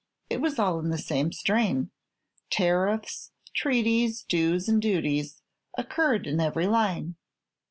It was all in the same strain. Tariffs, treaties, dues, and duties occurred in every line.